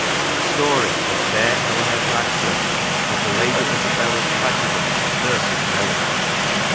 The story of " Fair Ellen of Radcliffe " is the " Lady Isabella's Tragedy " of Percy's " Relics."